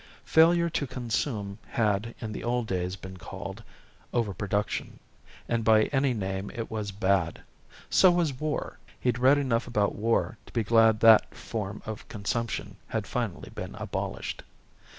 Failure to consume had in the old days been called "overproduction" and by any name it was bad. So was war he'd read enough about war to be glad that form of consumption had finally been abolished.